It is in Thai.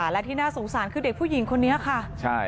และที่น่าสงสารคือเด็กผู้หญิงคนนี้ค่ะใช่